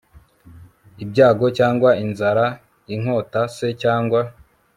ibyago cyangwa inzara, inkota se cyangwa